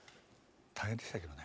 大変でしたけどね。